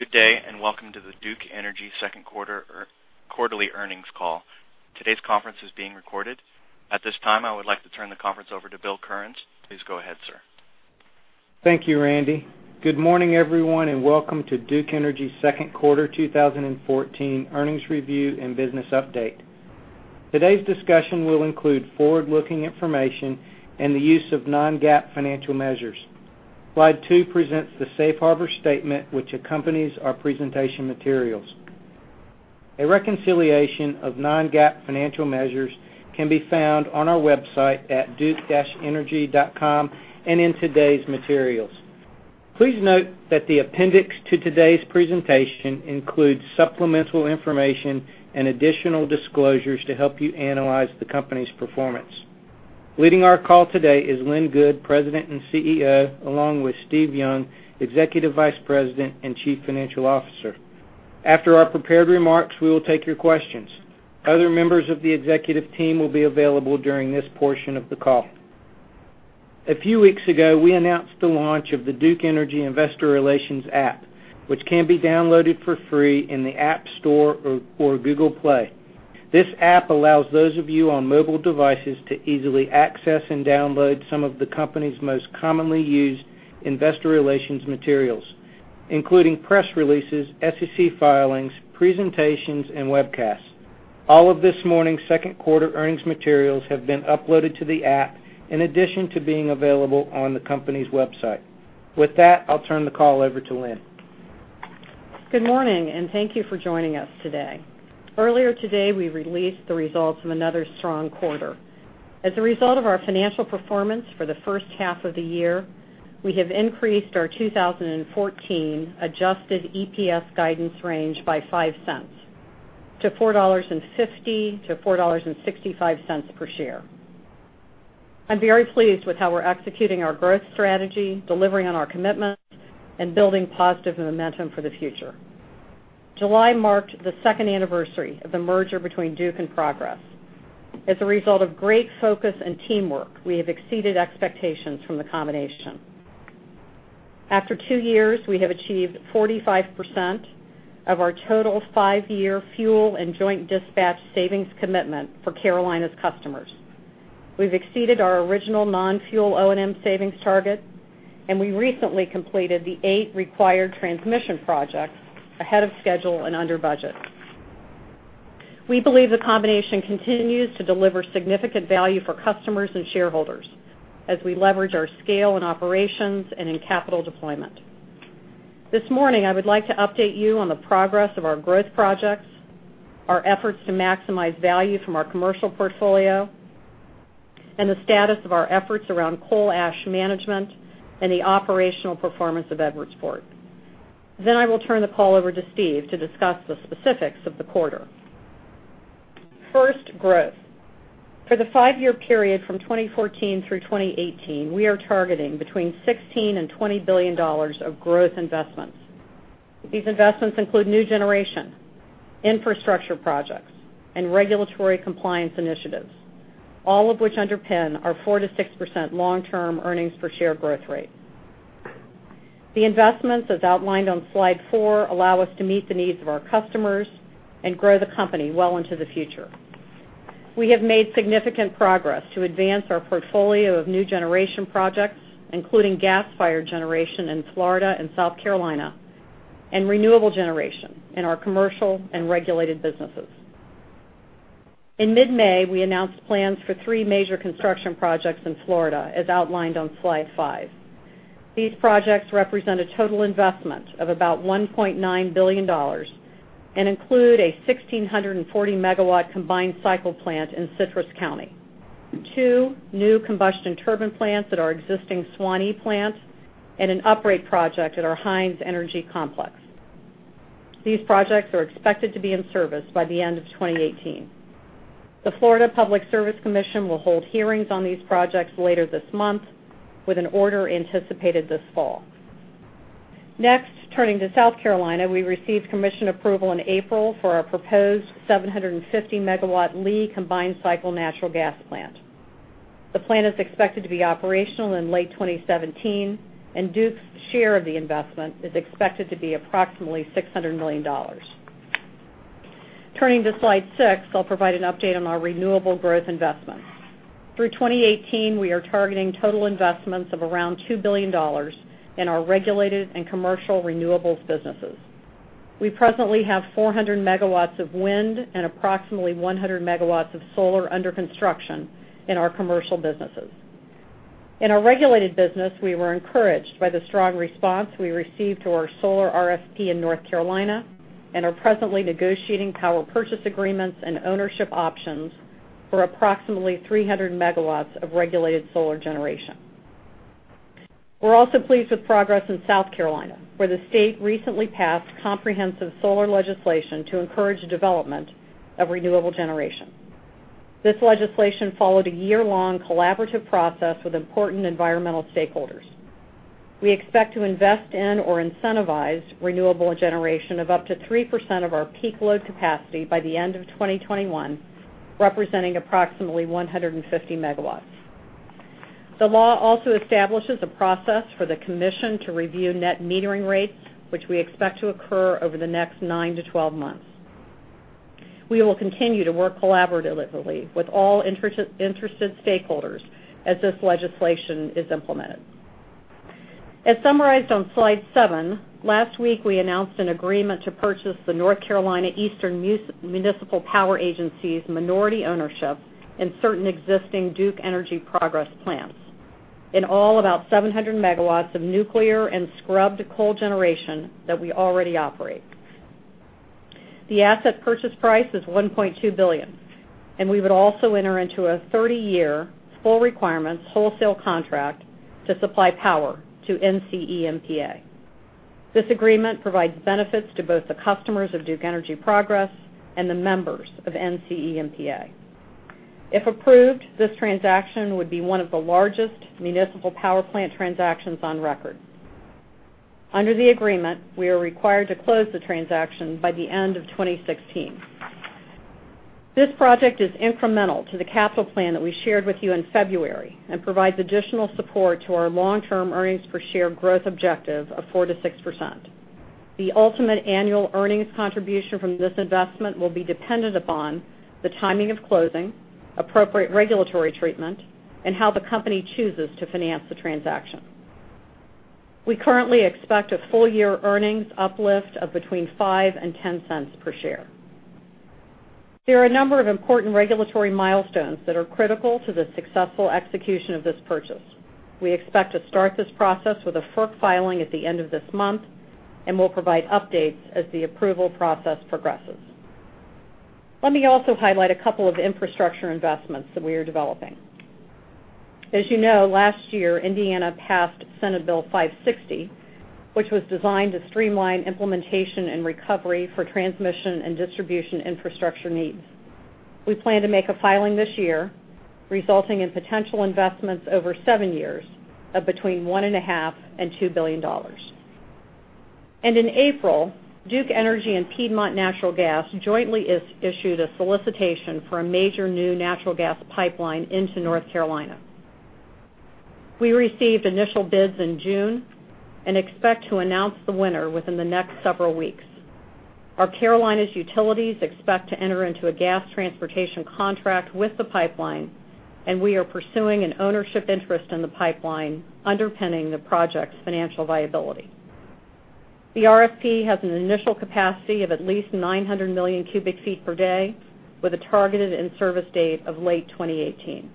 Good day, welcome to the Duke Energy second quarter quarterly earnings call. Today's conference is being recorded. At this time, I would like to turn the conference over to Bill Currens. Please go ahead, sir. Thank you, Randy. Good morning, everyone, welcome to Duke Energy's second quarter 2014 earnings review and business update. Today's discussion will include forward-looking information and the use of non-GAAP financial measures. Slide two presents the safe harbor statement which accompanies our presentation materials. A reconciliation of non-GAAP financial measures can be found on our website at duke-energy.com and in today's materials. Please note that the appendix to today's presentation includes supplemental information and additional disclosures to help you analyze the company's performance. Leading our call today is Lynn Good, President and CEO, along with Steve Young, Executive Vice President and Chief Financial Officer. After our prepared remarks, we will take your questions. Other members of the executive team will be available during this portion of the call. A few weeks ago, we announced the launch of the Duke Energy Investor Relations app, which can be downloaded for free in the App Store or Google Play. This app allows those of you on mobile devices to easily access and download some of the company's most commonly used investor relations materials, including press releases, SEC filings, presentations, and webcasts. All of this morning's second quarter earnings materials have been uploaded to the app in addition to being available on the company's website. With that, I'll turn the call over to Lynn. Good morning, thank you for joining us today. Earlier today, we released the results of another strong quarter. As a result of our financial performance for the first half of the year, we have increased our 2014 adjusted EPS guidance range by $0.05 to $4.50-$4.65 per share. I'm very pleased with how we're executing our growth strategy, delivering on our commitments, and building positive momentum for the future. July marked the second anniversary of the merger between Duke and Progress. As a result of great focus and teamwork, we have exceeded expectations from the combination. After two years, we have achieved 45% of our total five-year fuel and joint dispatch savings commitment for Carolina's customers. We've exceeded our original non-fuel O&M savings target, we recently completed the eight required transmission projects ahead of schedule and under budget. We believe the combination continues to deliver significant value for customers and shareholders as we leverage our scale in operations and in capital deployment. This morning, I would like to update you on the progress of our growth projects, our efforts to maximize value from our commercial portfolio, and the status of our efforts around coal ash management and the operational performance of Edwardsport. I will turn the call over to Steve to discuss the specifics of the quarter. First, growth. For the five-year period from 2014 through 2018, we are targeting between $16 billion and $20 billion of growth investments. These investments include new generation, infrastructure projects, and regulatory compliance initiatives, all of which underpin our 4%-6% long-term earnings per share growth rate. The investments, as outlined on slide four, allow us to meet the needs of our customers and grow the company well into the future. We have made significant progress to advance our portfolio of new generation projects, including gas-fired generation in Florida and South Carolina, and renewable generation in our commercial and regulated businesses. In mid-May, we announced plans for three major construction projects in Florida, as outlined on slide five. These projects represent a total investment of about $1.9 billion and include a 1,640-megawatt combined cycle plant in Citrus County, two new combustion turbine plants at our existing Suwannee plant, and an upgrade project at our Hines Energy Complex. These projects are expected to be in service by the end of 2018. The Florida Public Service Commission will hold hearings on these projects later this month, with an order anticipated this fall. Turning to South Carolina, we received commission approval in April for our proposed 750-megawatt Lee combined cycle natural gas plant. The plant is expected to be operational in late 2017, and Duke's share of the investment is expected to be approximately $600 million. Turning to slide six, I will provide an update on our renewable growth investments. Through 2018, we are targeting total investments of around $2 billion in our regulated and commercial renewables businesses. We presently have 400 MW of wind and approximately 100 MW of solar under construction in our commercial businesses. In our regulated business, we were encouraged by the strong response we received to our solar RFP in North Carolina and are presently negotiating power purchase agreements and ownership options for approximately 300 MW of regulated solar generation. We are also pleased with progress in South Carolina, where the state recently passed comprehensive solar legislation to encourage the development of renewable generation. This legislation followed a year-long collaborative process with important environmental stakeholders. We expect to invest in or incentivize renewable generation of up to 3% of our peak load capacity by the end of 2021, representing approximately 150 MW. The law also establishes a process for the commission to review net metering rates, which we expect to occur over the next 9-12 months. We will continue to work collaboratively with all interested stakeholders as this legislation is implemented. As summarized on slide seven, last week, we announced an agreement to purchase the North Carolina Eastern Municipal Power Agency's minority ownership in certain existing Duke Energy Progress plants. In all, about 700 MW of nuclear and scrubbed coal generation that we already operate. The asset purchase price is $1.2 billion, and we would also enter into a 30-year full requirements wholesale contract to supply power to NCEMPA. This agreement provides benefits to both the customers of Duke Energy Progress and the members of NCEMPA. If approved, this transaction would be one of the largest municipal power plant transactions on record. Under the agreement, we are required to close the transaction by the end of 2016. This project is incremental to the capital plan that we shared with you in February and provides additional support to our long-term earnings per share growth objective of 4%-6%. The ultimate annual earnings contribution from this investment will be dependent upon the timing of closing, appropriate regulatory treatment, and how the company chooses to finance the transaction. We currently expect a full-year earnings uplift of between $0.05 and $0.10 per share. There are a number of important regulatory milestones that are critical to the successful execution of this purchase. We expect to start this process with a FERC filing at the end of this month, and we will provide updates as the approval process progresses. Let me also highlight a couple of infrastructure investments that we are developing. As you know, last year Indiana passed Senate Bill 560, which was designed to streamline implementation and recovery for transmission and distribution infrastructure needs. We plan to make a filing this year, resulting in potential investments over seven years of between $1.5 billion and $2 billion. In April, Duke Energy and Piedmont Natural Gas jointly issued a solicitation for a major new natural gas pipeline into North Carolina. We received initial bids in June and expect to announce the winner within the next several weeks. Our Carolinas utilities expect to enter into a gas transportation contract with the pipeline, and we are pursuing an ownership interest in the pipeline underpinning the project's financial viability. The RFP has an initial capacity of at least 900 million cubic feet per day with a targeted in-service date of late 2018.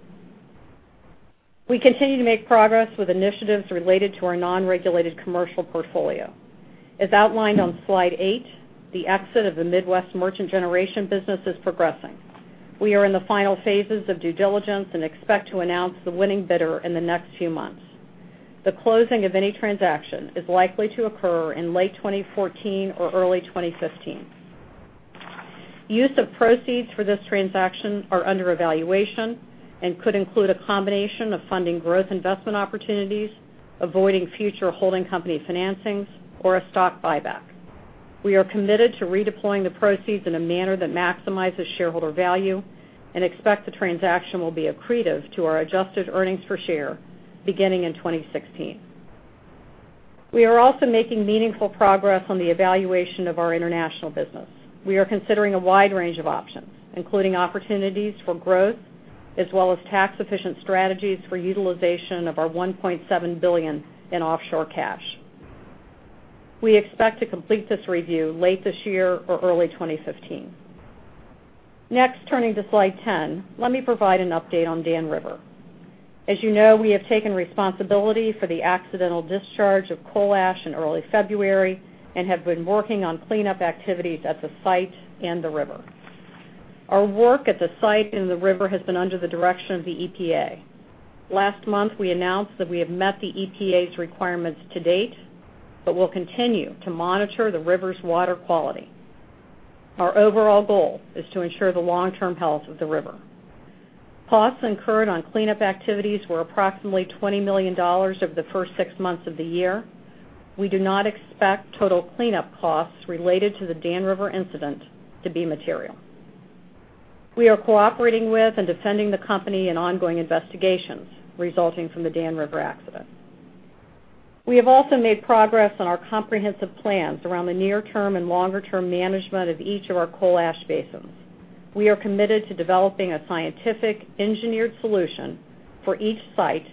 We continue to make progress with initiatives related to our non-regulated commercial portfolio. As outlined on slide eight, the exit of the Midwest merchant generation business is progressing. We are in the final phases of due diligence and expect to announce the winning bidder in the next few months. The closing of any transaction is likely to occur in late 2014 or early 2015. Use of proceeds for this transaction are under evaluation and could include a combination of funding growth investment opportunities, avoiding future holding company financings, or a stock buyback. We are committed to redeploying the proceeds in a manner that maximizes shareholder value and expect the transaction will be accretive to our adjusted earnings per share beginning in 2016. We are also making meaningful progress on the evaluation of our international business. We are considering a wide range of options, including opportunities for growth as well as tax-efficient strategies for utilization of our $1.7 billion in offshore cash. We expect to complete this review late this year or early 2015. Turning to slide 10, let me provide an update on Dan River. As you know, we have taken responsibility for the accidental discharge of coal ash in early February and have been working on cleanup activities at the site and the river. Our work at the site and the river has been under the direction of the EPA. Last month, we announced that we have met the EPA's requirements to date, but we'll continue to monitor the river's water quality. Our overall goal is to ensure the long-term health of the river. Costs incurred on cleanup activities were approximately $20 million over the first six months of the year. We do not expect total cleanup costs related to the Dan River incident to be material. We are cooperating with and defending the company in ongoing investigations resulting from the Dan River accident. We have also made progress on our comprehensive plans around the near-term and longer-term management of each of our coal ash basins. We are committed to developing a scientific engineered solution for each site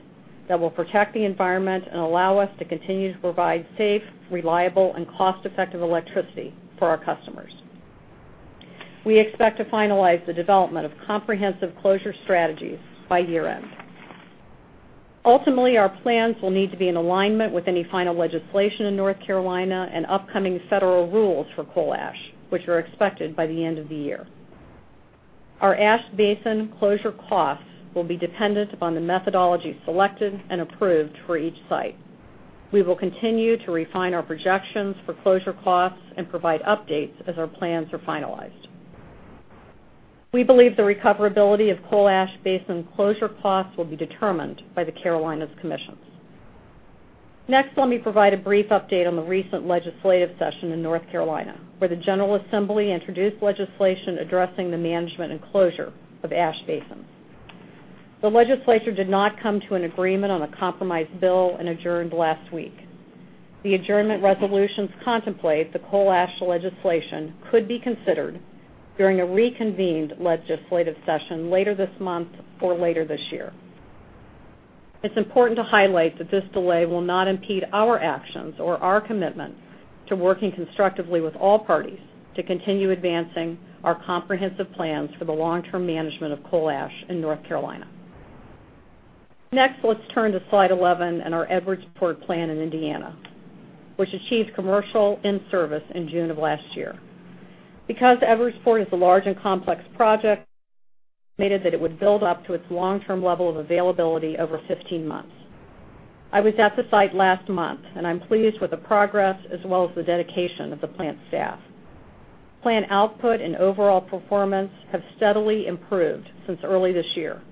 that will protect the environment and allow us to continue to provide safe, reliable, and cost-effective electricity for our customers. We expect to finalize the development of comprehensive closure strategies by year-end. Ultimately, our plans will need to be in alignment with any final legislation in North Carolina and upcoming federal rules for coal ash, which are expected by the end of the year. Our ash basin closure costs will be dependent upon the methodology selected and approved for each site. We will continue to refine our projections for closure costs and provide updates as our plans are finalized. We believe the recoverability of coal ash basin closure costs will be determined by the Carolinas commissions. Let me provide a brief update on the recent legislative session in North Carolina, where the General Assembly introduced legislation addressing the management and closure of ash basins. The legislature did not come to an agreement on a compromise bill and adjourned last week. The adjournment resolutions contemplate the coal ash legislation could be considered during a reconvened legislative session later this month or later this year. It's important to highlight that this delay will not impede our actions or our commitment to working constructively with all parties to continue advancing our comprehensive plans for the long-term management of coal ash in North Carolina. Let's turn to slide 11 and our Edwardsport plant in Indiana, which achieved commercial in service in June of last year. Because Edwardsport is a large and complex project, we estimated that it would build up to its long-term level of availability over 15 months. I was at the site last month, and I'm pleased with the progress as well as the dedication of the plant staff. Plant output and overall performance have steadily improved since early this year,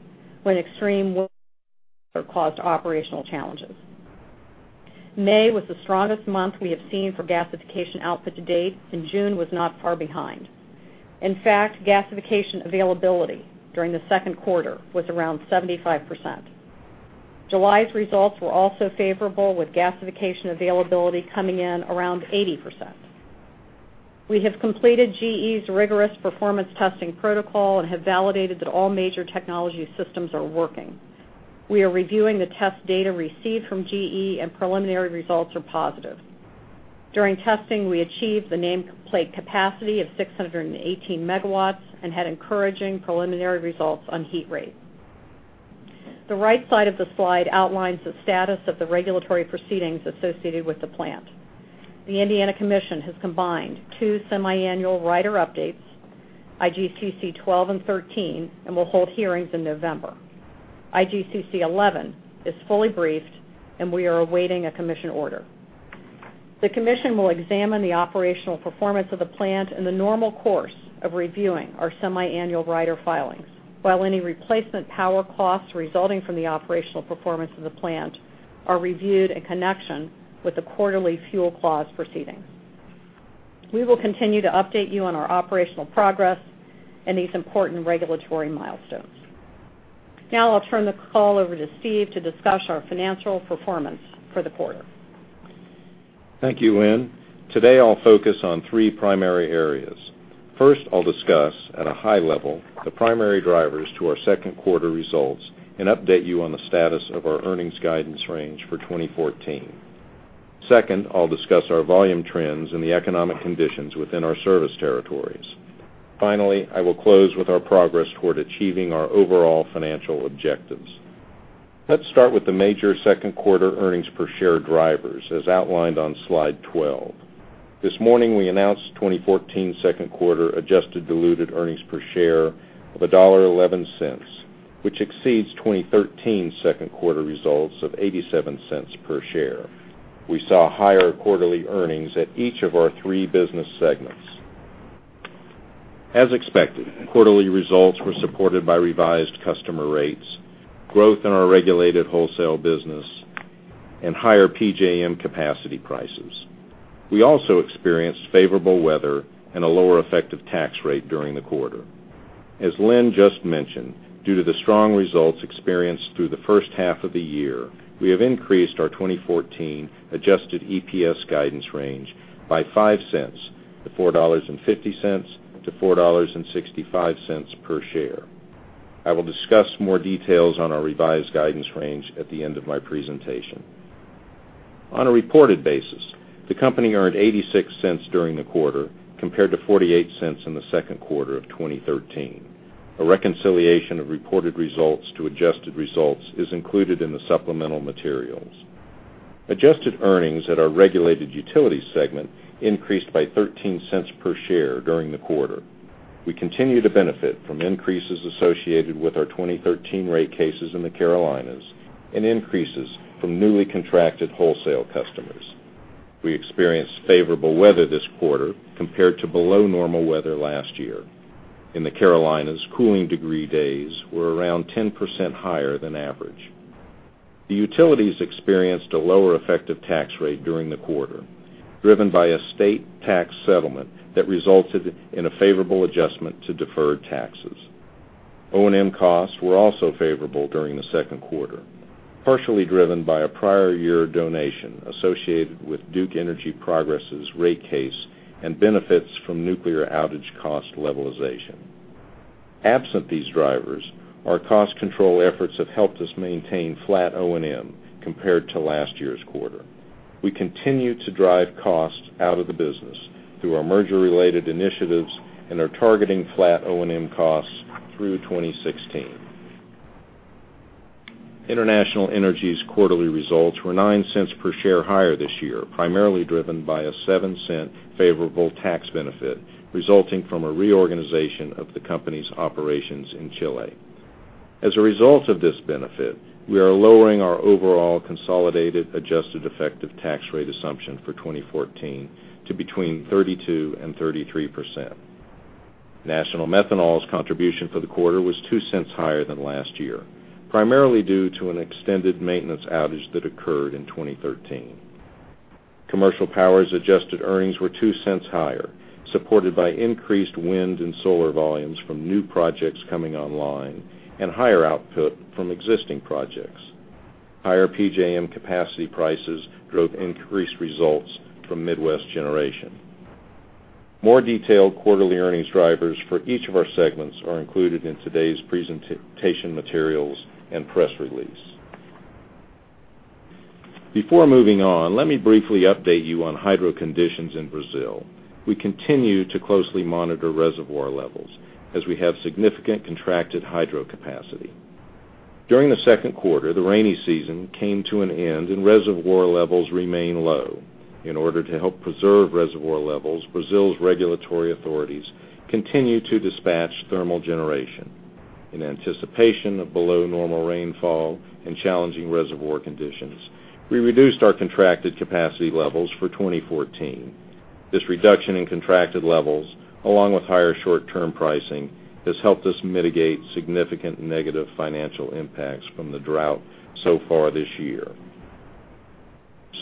when extreme weather caused operational challenges. May was the strongest month we have seen for gasification output to date. June was not far behind. Gasification availability during the second quarter was around 75%. July's results were also favorable, with gasification availability coming in around 80%. We have completed GE's rigorous performance testing protocol and have validated that all major technology systems are working. We are reviewing the test data received from GE, and preliminary results are positive. During testing, we achieved the nameplate capacity of 618 MW and had encouraging preliminary results on heat rate. The right side of the slide outlines the status of the regulatory proceedings associated with the plant. The Indiana Commission has combined two semiannual rider updates, IGCC 12 and 13, and will hold hearings in November. IGCC 11 is fully briefed, and we are awaiting a commission order. The commission will examine the operational performance of the plant in the normal course of reviewing our semiannual rider filings, while any replacement power costs resulting from the operational performance of the plant are reviewed in connection with the quarterly fuel clause proceedings. We will continue to update you on our operational progress and these important regulatory milestones. Now I'll turn the call over to Steve to discuss our financial performance for the quarter. Thank you, Lynn. Today, I'll focus on three primary areas. First, I'll discuss at a high level the primary drivers to our second quarter results and update you on the status of our earnings guidance range for 2014. Second, I'll discuss our volume trends and the economic conditions within our service territories. Finally, I will close with our progress toward achieving our overall financial objectives. Let's start with the major second quarter earnings per share drivers, as outlined on slide 12. This morning, we announced 2014 second quarter adjusted diluted earnings per share of $1.11, which exceeds 2013 second quarter results of $0.87 per share. We saw higher quarterly earnings at each of our three business segments. As expected, quarterly results were supported by revised customer rates, growth in our regulated wholesale business, and higher PJM capacity prices. We also experienced favorable weather and a lower effective tax rate during the quarter. As Lynn just mentioned, due to the strong results experienced through the first half of the year, we have increased our 2014 adjusted EPS guidance range by $0.05 to $4.50-$4.65 per share. I will discuss more details on our revised guidance range at the end of my presentation. On a reported basis, the company earned $0.86 during the quarter, compared to $0.48 in the second quarter of 2013. A reconciliation of reported results to adjusted results is included in the supplemental materials. Adjusted earnings at our regulated utilities segment increased by $0.13 per share during the quarter. We continue to benefit from increases associated with our 2013 rate cases in the Carolinas and increases from newly contracted wholesale customers. We experienced favorable weather this quarter compared to below-normal weather last year. In the Carolinas, cooling degree days were around 10% higher than average. The utilities experienced a lower effective tax rate during the quarter, driven by a state tax settlement that resulted in a favorable adjustment to deferred taxes. O&M costs were also favorable during the second quarter, partially driven by a prior year donation associated with Duke Energy Progress' rate case and benefits from nuclear outage cost levelization. Absent these drivers, our cost control efforts have helped us maintain flat O&M compared to last year's quarter. We continue to drive costs out of the business through our merger-related initiatives and are targeting flat O&M costs through 2016. International Energy's quarterly results were $0.09 per share higher this year, primarily driven by a $0.07 favorable tax benefit resulting from a reorganization of the company's operations in Chile. As a result of this benefit, we are lowering our overall consolidated adjusted effective tax rate assumption for 2014 to between 32%-33%. National Methanol's contribution for the quarter was $0.02 higher than last year, primarily due to an extended maintenance outage that occurred in 2013. Commercial Power's adjusted earnings were $0.02 higher, supported by increased wind and solar volumes from new projects coming online and higher output from existing projects. Higher PJM capacity prices drove increased results from Midwest Generation. More detailed quarterly earnings drivers for each of our segments are included in today's presentation materials and press release. Before moving on, let me briefly update you on hydro conditions in Brazil. We continue to closely monitor reservoir levels as we have significant contracted hydro capacity. During the second quarter, the rainy season came to an end and reservoir levels remain low. In order to help preserve reservoir levels, Brazil's regulatory authorities continue to dispatch thermal generation. In anticipation of below normal rainfall and challenging reservoir conditions, we reduced our contracted capacity levels for 2014. This reduction in contracted levels, along with higher short-term pricing, has helped us mitigate significant negative financial impacts from the drought so far this year.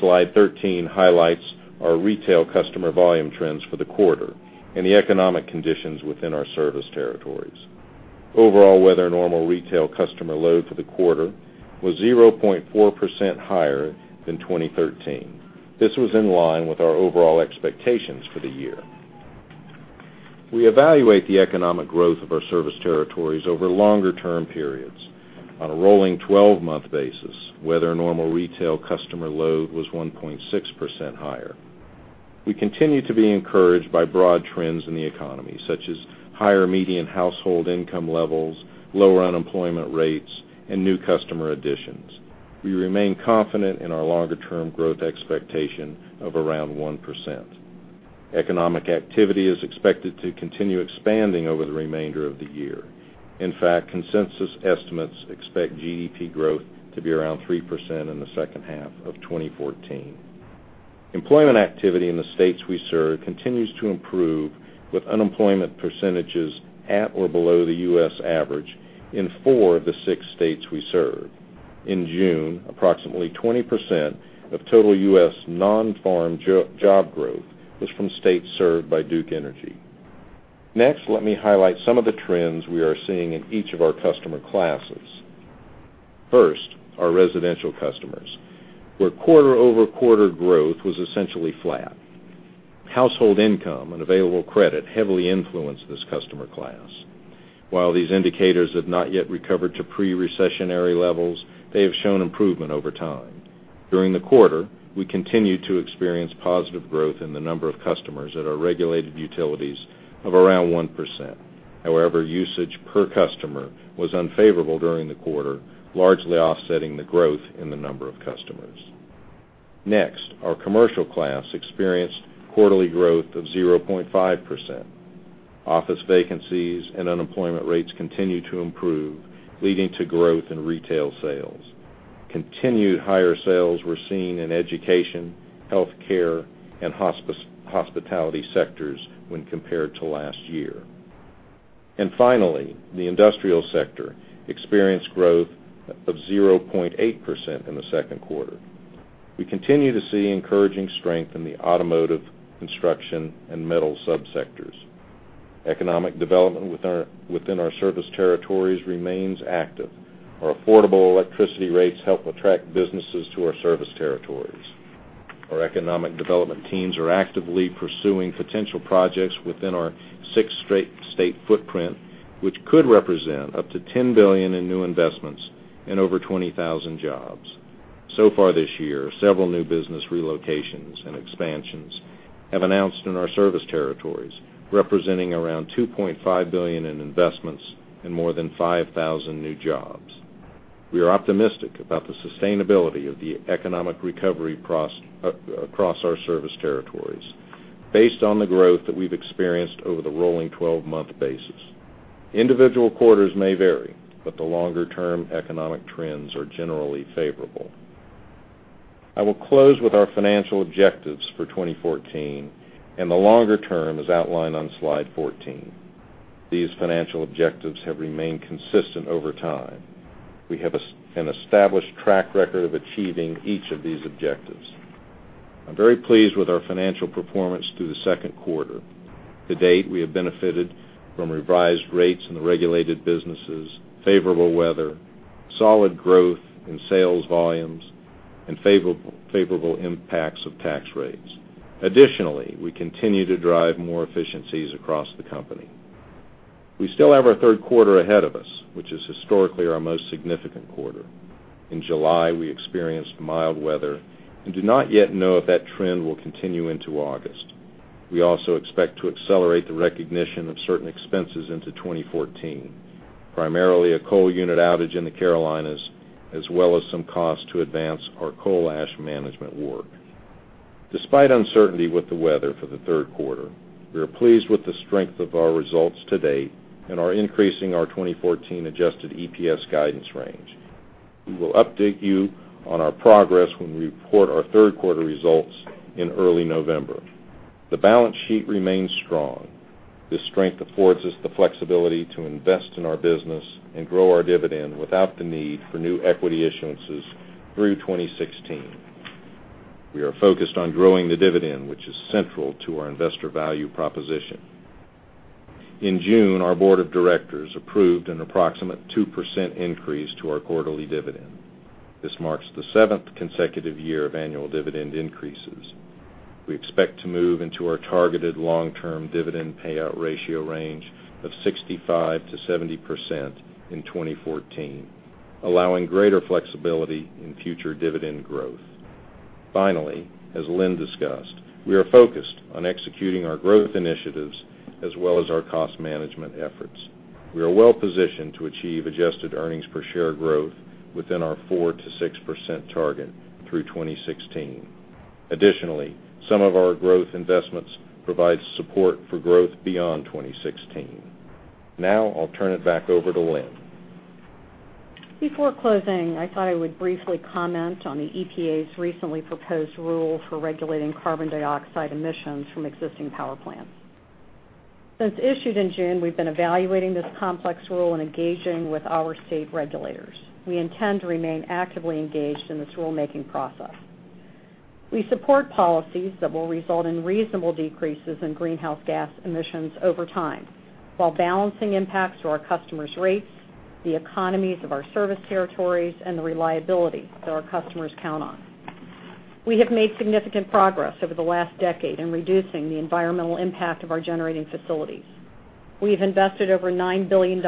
Slide 13 highlights our retail customer volume trends for the quarter and the economic conditions within our service territories. Overall, weather normal retail customer load for the quarter was 0.4% higher than 2013. This was in line with our overall expectations for the year. We evaluate the economic growth of our service territories over longer term periods. On a rolling 12-month basis, weather normal retail customer load was 1.6% higher. We continue to be encouraged by broad trends in the economy, such as higher median household income levels, lower unemployment rates, and new customer additions. We remain confident in our longer-term growth expectation of around 1%. Economic activity is expected to continue expanding over the remainder of the year. In fact, consensus estimates expect GDP growth to be around 3% in the second half of 2014. Employment activity in the states we serve continues to improve with unemployment percentages at or below the U.S. average in four of the six states we serve. In June, approximately 20% of total U.S. non-farm job growth was from states served by Duke Energy. Next, let me highlight some of the trends we are seeing in each of our customer classes. First, our residential customers, where quarter-over-quarter growth was essentially flat. Household income and available credit heavily influenced this customer class. While these indicators have not yet recovered to pre-recessionary levels, they have shown improvement over time. During the quarter, we continued to experience positive growth in the number of customers at our regulated utilities of around 1%. However, usage per customer was unfavorable during the quarter, largely offsetting the growth in the number of customers. Next, our commercial class experienced quarterly growth of 0.5%. Office vacancies and unemployment rates continue to improve, leading to growth in retail sales. Continued higher sales were seen in education, healthcare, and hospitality sectors when compared to last year. Finally, the industrial sector experienced growth of 0.8% in the second quarter. We continue to see encouraging strength in the automotive, construction, and metal sub-sectors. Economic development within our service territories remains active. Our affordable electricity rates help attract businesses to our service territories. Our economic development teams are actively pursuing potential projects within our six state footprint, which could represent up to $10 billion in new investments and over 20,000 jobs. Far this year, several new business relocations and expansions have announced in our service territories, representing around $2.5 billion in investments and more than 5,000 new jobs. We are optimistic about the sustainability of the economic recovery across our service territories based on the growth that we've experienced over the rolling 12-month basis. Individual quarters may vary, but the longer-term economic trends are generally favorable. I will close with our financial objectives for 2014 and the longer term as outlined on slide 14. These financial objectives have remained consistent over time. We have an established track record of achieving each of these objectives. I'm very pleased with our financial performance through the second quarter. To date, we have benefited from revised rates in the regulated businesses, favorable weather, solid growth in sales volumes, and favorable impacts of tax rates. Additionally, we continue to drive more efficiencies across the company. We still have our third quarter ahead of us, which is historically our most significant quarter. In July, we experienced mild weather and do not yet know if that trend will continue into August. We also expect to accelerate the recognition of certain expenses into 2014, primarily a coal unit outage in the Carolinas, as well as some costs to advance our coal ash management work. Despite uncertainty with the weather for the third quarter, we are pleased with the strength of our results to date and are increasing our 2014 adjusted EPS guidance range. We will update you on our progress when we report our third quarter results in early November. The balance sheet remains strong. This strength affords us the flexibility to invest in our business and grow our dividend without the need for new equity issuances through 2016. We are focused on growing the dividend, which is central to our investor value proposition. In June, our board of directors approved an approximate 2% increase to our quarterly dividend. This marks the seventh consecutive year of annual dividend increases. We expect to move into our targeted long-term dividend payout ratio range of 65%-70% in 2014, allowing greater flexibility in future dividend growth. Finally, as Lynn discussed, we are focused on executing our growth initiatives as well as our cost management efforts. We are well-positioned to achieve adjusted earnings per share growth within our 4%-6% target through 2016. Additionally, some of our growth investments provide support for growth beyond 2016. I'll turn it back over to Lynn. Before closing, I thought I would briefly comment on the Environmental Protection Agency's recently proposed rule for regulating carbon dioxide emissions from existing power plants. Since issued in June, we've been evaluating this complex rule and engaging with our state regulators. We intend to remain actively engaged in this rulemaking process. We support policies that will result in reasonable decreases in greenhouse gas emissions over time while balancing impacts to our customers' rates, the economies of our service territories, and the reliability that our customers count on. We have made significant progress over the last decade in reducing the environmental impact of our generating facilities. We have invested over $9 billion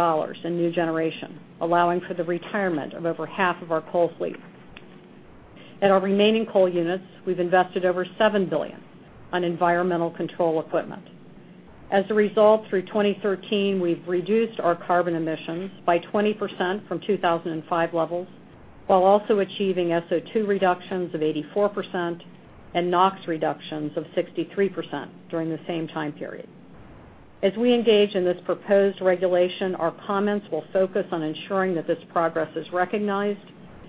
in new generation, allowing for the retirement of over half of our coal fleet. At our remaining coal units, we've invested over $7 billion on environmental control equipment. As a result, through 2013, we've reduced our carbon emissions by 20% from 2005 levels while also achieving SO2 reductions of 84% and NOx reductions of 63% during the same time period. As we engage in this proposed regulation, our comments will focus on ensuring that this progress is recognized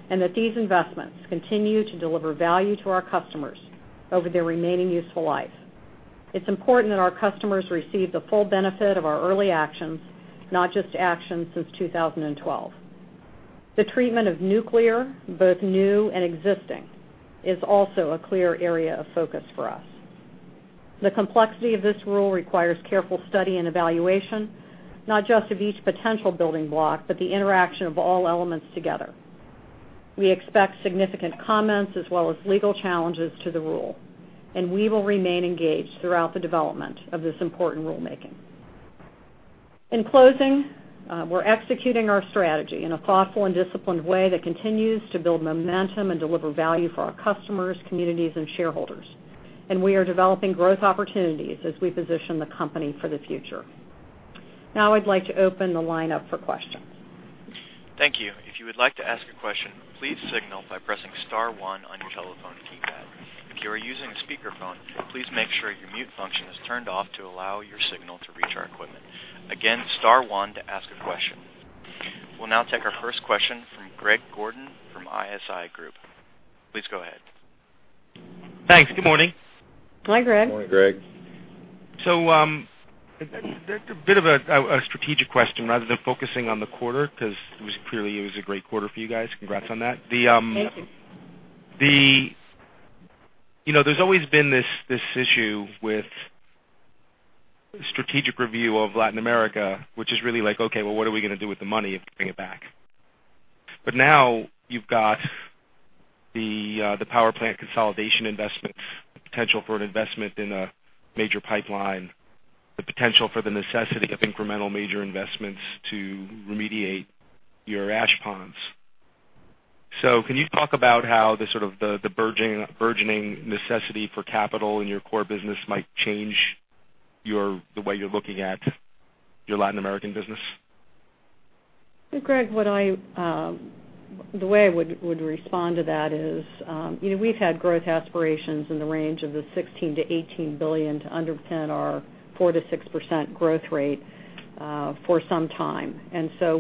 and that these investments continue to deliver value to our customers over their remaining useful life. It's important that our customers receive the full benefit of our early actions, not just actions since 2012. The treatment of nuclear, both new and existing, is also a clear area of focus for us. The complexity of this rule requires careful study and evaluation, not just of each potential building block, but the interaction of all elements together. We expect significant comments as well as legal challenges to the rule, and we will remain engaged throughout the development of this important rulemaking. In closing, we're executing our strategy in a thoughtful and disciplined way that continues to build momentum and deliver value for our customers, communities, and shareholders. We are developing growth opportunities as we position the company for the future. Now I'd like to open the line up for questions. Thank you. If you would like to ask a question, please signal by pressing *1 on your telephone keypad. If you are using a speakerphone, please make sure your mute function is turned off to allow your signal to reach our equipment. Again, *1 to ask a question. We'll now take our first question from Greg Gordon from ISI Group. Please go ahead. Thanks. Good morning. Hi, Greg. Morning, Greg. A bit of a strategic question rather than focusing on the quarter because it was clearly a great quarter for you guys. Congrats on that. Thank you. There's always been this issue with strategic review of Latin America, which is really like, okay, well, what are we going to do with the money if we bring it back? Now you've got the power plant consolidation investments, the potential for an investment in a major pipeline, the potential for the necessity of incremental major investments to remediate your ash ponds. Can you talk about how the burgeoning necessity for capital in your core business might change the way you're looking at your Latin American business? Greg, the way I would respond to that is we've had growth aspirations in the range of the $16 billion-$18 billion to underpin our 4%-6% growth rate for some time.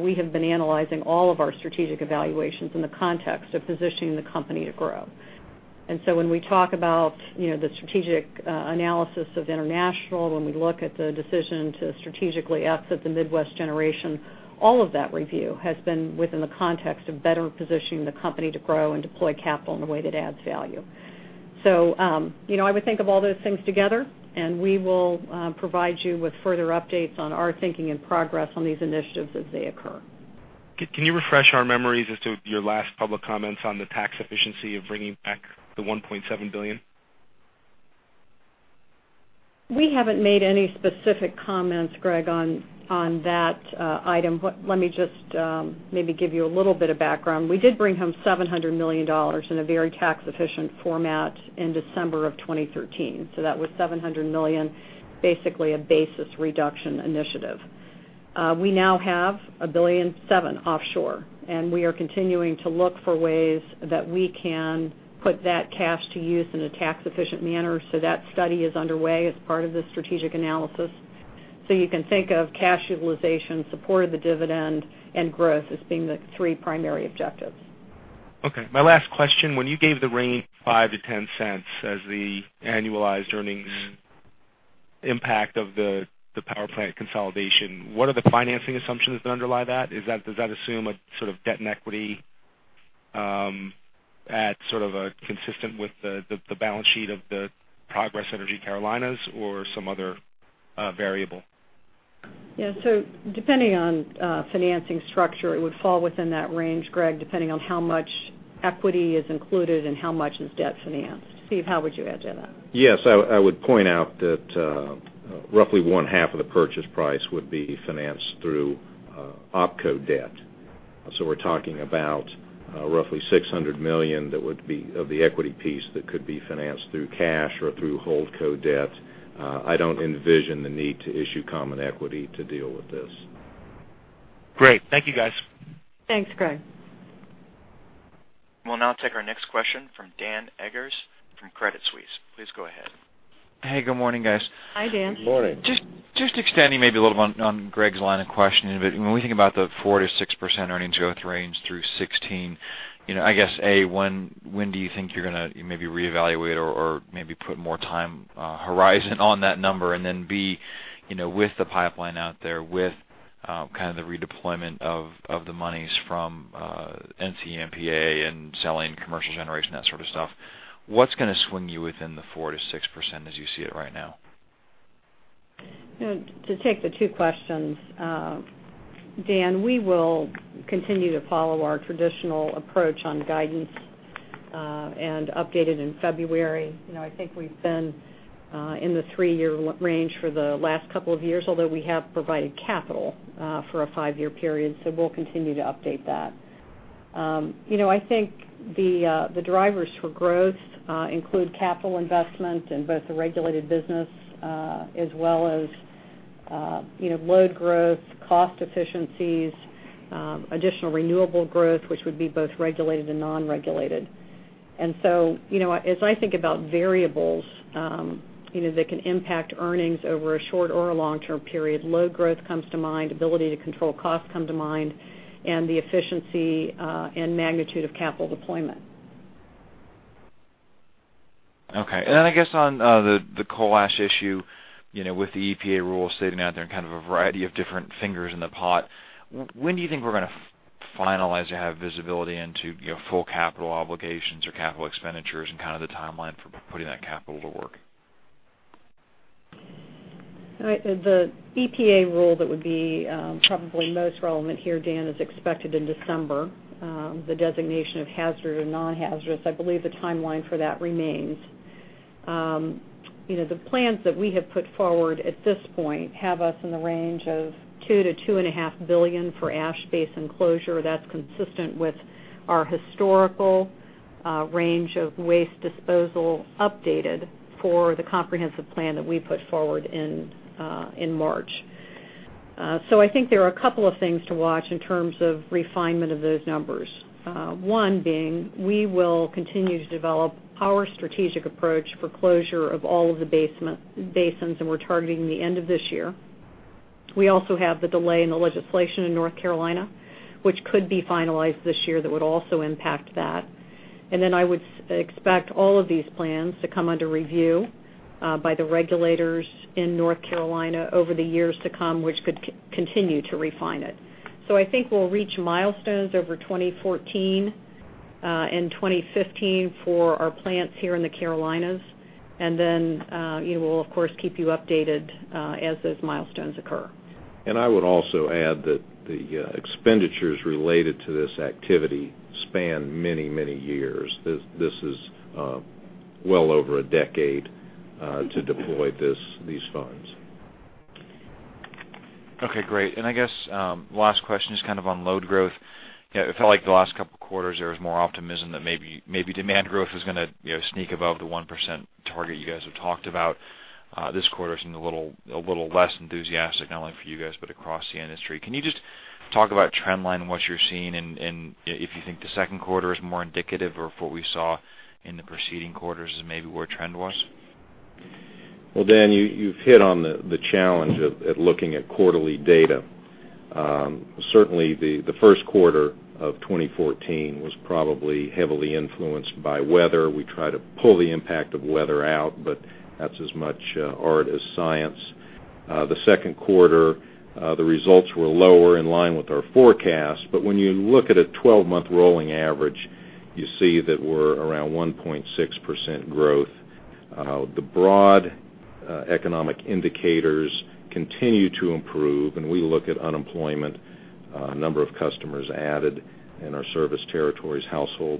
We have been analyzing all of our strategic evaluations in the context of positioning the company to grow. When we talk about the strategic analysis of international, when we look at the decision to strategically exit the Midwest Generation, all of that review has been within the context of better positioning the company to grow and deploy capital in a way that adds value. I would think of all those things together, and we will provide you with further updates on our thinking and progress on these initiatives as they occur. Can you refresh our memories as to your last public comments on the tax efficiency of bringing back the $1.7 billion? We haven't made any specific comments, Greg, on that item. Let me just maybe give you a little bit of background. We did bring home $700 million in a very tax-efficient format in December of 2013. That was $700 million, basically a basis reduction initiative. We now have $1.7 billion offshore, and we are continuing to look for ways that we can put that cash to use in a tax-efficient manner. That study is underway as part of the strategic analysis. You can think of cash utilization, support of the dividend, and growth as being the three primary objectives. Okay. My last question, when you gave the range $0.05-$0.10 as the annualized earnings impact of the power plant consolidation, what are the financing assumptions that underlie that? Does that assume a sort of debt and equity at consistent with the balance sheet of the Progress Energy Carolinas, or some other variable? Yeah. Depending on financing structure, it would fall within that range, Greg, depending on how much equity is included and how much is debt financed. Steve, how would you add to that? Yes, I would point out that roughly one half of the purchase price would be financed through opco debt. We're talking about roughly $600 million that would be of the equity piece that could be financed through cash or through holdco debt. I don't envision the need to issue common equity to deal with this. Great. Thank you guys. Thanks, Greg. We'll now take our next question from Dan Eggers from Credit Suisse. Please go ahead. Hey, good morning, guys. Hi, Dan. Good morning. Just extending maybe a little on Greg's line of questioning a bit, when we think about the 4%-6% earnings growth range through 2016, I guess, A, when do you think you're going to maybe reevaluate or maybe put more time horizon on that number? B, with the pipeline out there, with kind of the redeployment of the monies from NCEMPA and selling commercial generation, that sort of stuff, what's going to swing you within the 4%-6% as you see it right now? To take the two questions, Dan, we will continue to follow our traditional approach on guidance, and update it in February. I think we've been in the three-year range for the last couple of years, although we have provided capital for a five-year period, so we'll continue to update that. I think the drivers for growth include capital investment in both the regulated business as well as load growth, cost efficiencies, additional renewable growth, which would be both regulated and non-regulated. As I think about variables that can impact earnings over a short or a long-term period, load growth comes to mind, ability to control cost come to mind, and the efficiency and magnitude of capital deployment. Okay. Then I guess on the coal ash issue, with the EPA rule sitting out there and kind of a variety of different fingers in the pot, when do you think we're going to finalize or have visibility into full capital obligations or capital expenditures and kind of the timeline for putting that capital to work? The EPA rule that would be probably most relevant here, Dan, is expected in December. The designation of hazard and non-hazardous, I believe the timeline for that remains. The plans that we have put forward at this point have us in the range of $2 billion-$2.5 billion for ash space and closure. That's consistent with our historical range of waste disposal updated for the comprehensive plan that we put forward in March. I think there are a couple of things to watch in terms of refinement of those numbers. One being we will continue to develop our strategic approach for closure of all of the basins, and we're targeting the end of this year. We also have the delay in the legislation in North Carolina, which could be finalized this year that would also impact that. Then I would expect all of these plans to come under review by the regulators in North Carolina over the years to come, which could continue to refine it. I think we'll reach milestones over 2014 and 2015 for our plants here in the Carolinas. Then, we'll of course keep you updated as those milestones occur. I would also add that the expenditures related to this activity span many years. This is well over a decade to deploy these funds. Okay, great. I guess last question is kind of on load growth. It felt like the last couple of quarters, there was more optimism that maybe demand growth was going to sneak above the 1% target you guys have talked about. This quarter's been a little less enthusiastic, not only for you guys, but across the industry. Can you just talk about trend line and what you're seeing, and if you think the second quarter is more indicative or if what we saw in the preceding quarters is maybe where trend was? Well, Dan, you've hit on the challenge of looking at quarterly data. Certainly, the first quarter of 2014 was probably heavily influenced by weather. We try to pull the impact of weather out, but that's as much art as science. The second quarter, the results were lower in line with our forecast, but when you look at a 12-month rolling average, you see that we're around 1.6% growth. We look at unemployment, number of customers added in our service territories,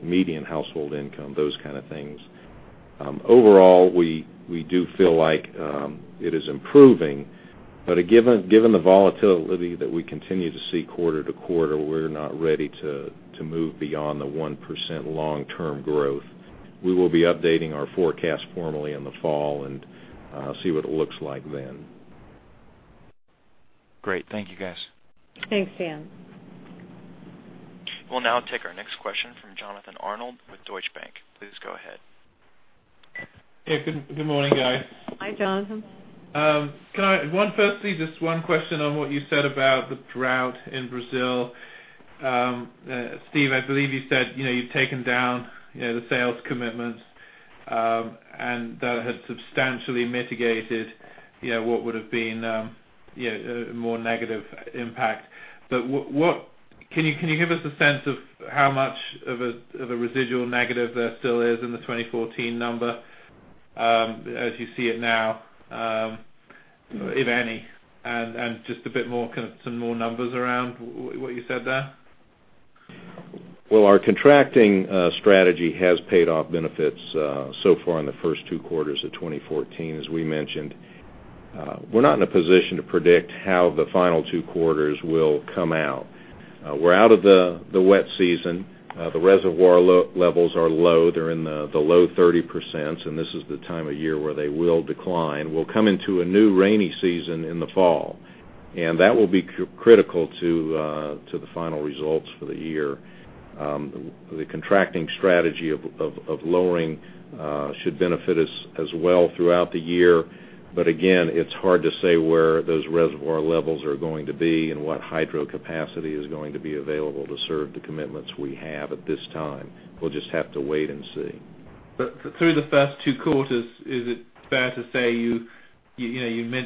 median household income, those kind of things. Overall, we do feel like it is improving, but given the volatility that we continue to see quarter to quarter, we're not ready to move beyond the 1% long-term growth. We will be updating our forecast formally in the fall and see what it looks like then. Great. Thank you, guys. Thanks, Dan. We'll now take our next question from Jonathan Arnold with Deutsche Bank. Please go ahead. Hey, good morning, guys. Hi, Jonathan. Can I, firstly, just one question on what you said about the drought in Brazil. Steve, I believe you said you've taken down the sales commitments, and that had substantially mitigated what would've been a more negative impact. Can you give us a sense of how much of a residual negative there still is in the 2014 number, as you see it now, if any, and just some more numbers around what you said there? Our contracting strategy has paid off benefits so far in the first two quarters of 2014, as we mentioned. We're not in a position to predict how the final two quarters will come out. We're out of the wet season. The reservoir levels are low. They're in the low 30%, and this is the time of year where they will decline. We'll come into a new rainy season in the fall, and that will be critical to the final results for the year. The contracting strategy of lowering should benefit us as well throughout the year, but again, it's hard to say where those reservoir levels are going to be and what hydro capacity is going to be available to serve the commitments we have at this time. We'll just have to wait and see. Through the first two quarters, is it fair to say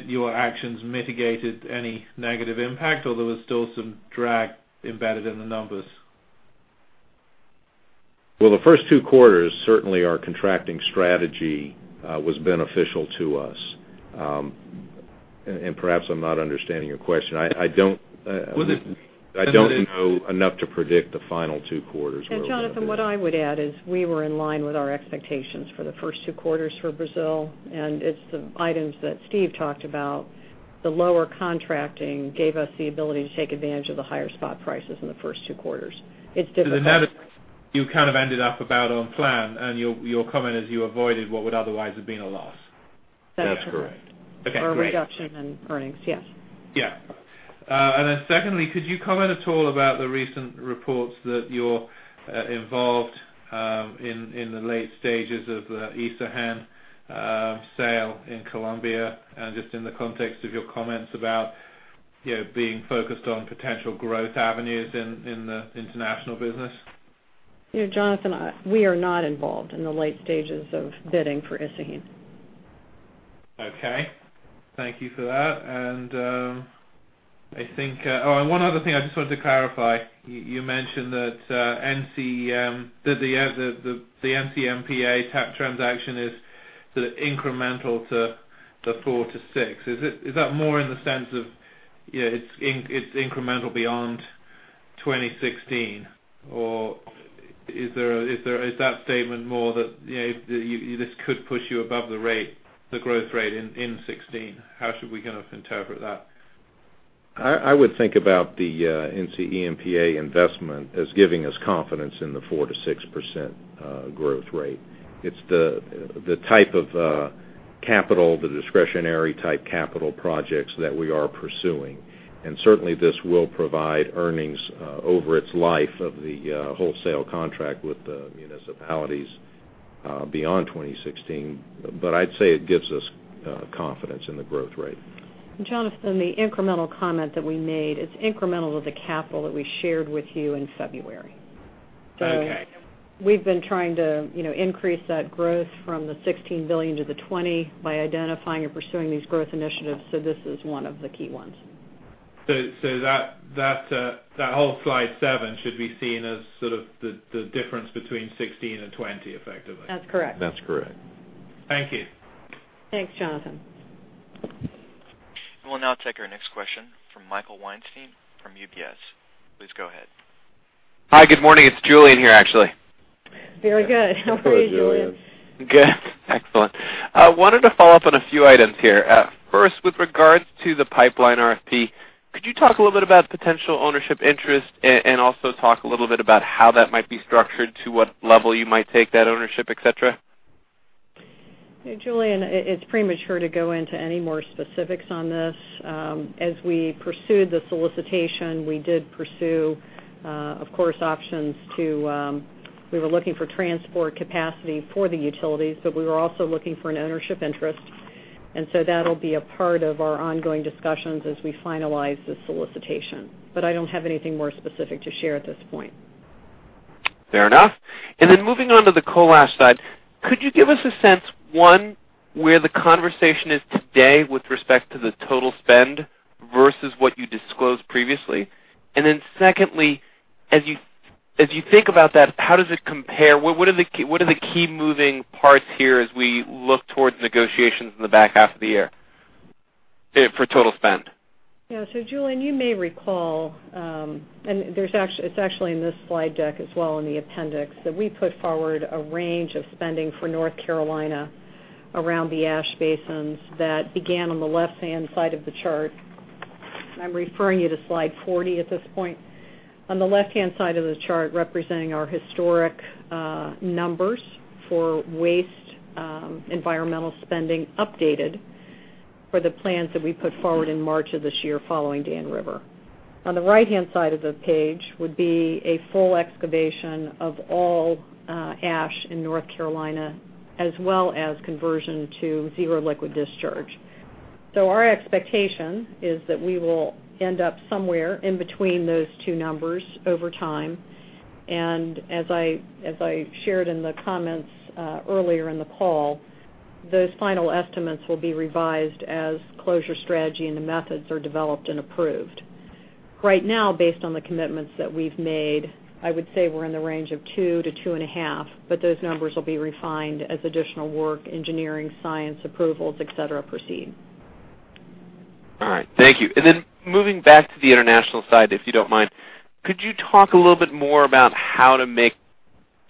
your actions mitigated any negative impact, or there was still some drag embedded in the numbers? The first two quarters, certainly our contracting strategy was beneficial to us. Perhaps I'm not understanding your question. Was it- I don't know enough to predict the final two quarters where it would've been. Jonathan, what I would add is we were in line with our expectations for the first two quarters for Brazil, and it's the items that Steve talked about. The lower contracting gave us the ability to take advantage of the higher spot prices in the first two quarters. The net, you kind of ended up about on plan, and your comment is you avoided what would otherwise have been a loss. That's correct. Okay, great. A reduction in earnings, yes. Yeah. Secondly, could you comment at all about the recent reports that you're involved in the late stages of the Isagen sale in Colombia and just in the context of your comments about being focused on potential growth avenues in the international business? Jonathan, we are not involved in the late stages of bidding for Isagen. Okay. Thank you for that. One other thing I just wanted to clarify. You mentioned that the NCEMPA transaction is sort of incremental to the 4%-6%. Is that more in the sense of it's incremental beyond 2016? Or is that statement more that this could push you above the growth rate in 2016? How should we kind of interpret that? I would think about the NCEMPA investment as giving us confidence in the 4%-6% growth rate. It's the type of capital, the discretionary-type capital projects that we are pursuing. Certainly, this will provide earnings over its life of the wholesale contract with the municipalities beyond 2016. I'd say it gives us confidence in the growth rate. Jonathan, the incremental comment that we made, it's incremental to the capital that we shared with you in February. Okay. We've been trying to increase that growth from the $16 billion to the $20 billion by identifying and pursuing these growth initiatives. This is one of the key ones. That whole slide seven should be seen as sort of the difference between 16 and 20, effectively. That's correct. That's correct. Thank you. Thanks, Jonathan. We'll now take our next question from Michael Weinstein from UBS. Please go ahead. Hi, good morning. It's Julien here, actually. Very good. How are you, Julien? I wanted to follow up on a few items here. First, with regards to the pipeline RFP, could you talk a little bit about potential ownership interest and also talk a little bit about how that might be structured to what level you might take that ownership, et cetera? Julien, it's premature to go into any more specifics on this. As we pursued the solicitation, we did pursue, of course, we were looking for transport capacity for the utilities, but we were also looking for an ownership interest. That'll be a part of our ongoing discussions as we finalize the solicitation. I don't have anything more specific to share at this point. Fair enough. Moving on to the coal ash side, could you give us a sense, one, where the conversation is today with respect to the total spend versus what you disclosed previously? Secondly, as you think about that, how does it compare? What are the key moving parts here as we look towards negotiations in the back half of the year for total spend? Yeah. Julien, you may recall, and it's actually in this slide deck as well in the appendix, that we put forward a range of spending for North Carolina around the ash basins that began on the left-hand side of the chart. I'm referring you to slide 40 at this point. On the left-hand side of the chart representing our historic numbers for waste environmental spending updated. For the plans that we put forward in March of this year following Dan River. On the right-hand side of the page would be a full excavation of all ash in North Carolina, as well as conversion to zero liquid discharge. Our expectation is that we will end up somewhere in between those two numbers over time. As I shared in the comments earlier in the call, those final estimates will be revised as closure strategy and the methods are developed and approved. Right now, based on the commitments that we've made, I would say we're in the range of two to two and a half, but those numbers will be refined as additional work, engineering, science approvals, et cetera, proceed. All right, thank you. Then moving back to the international side, if you don't mind, could you talk a little bit more about how to make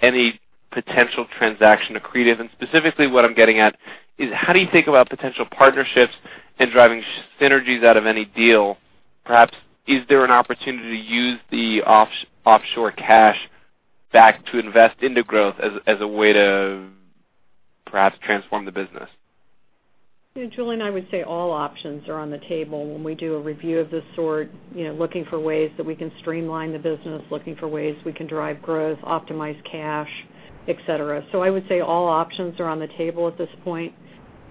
any potential transaction accretive? And specifically what I'm getting at is how do you think about potential partnerships and driving synergies out of any deal? Perhaps, is there an opportunity to use the offshore cash back to invest into growth as a way to perhaps transform the business? Yeah, Julien, I would say all options are on the table when we do a review of this sort, looking for ways that we can streamline the business, looking for ways we can drive growth, optimize cash, et cetera. I would say all options are on the table at this point.